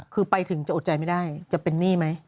คือไปถึงจะอดใจไม่ได้จะเป็นหนี้ไหม